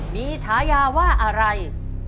มีฉายาว่าอะไร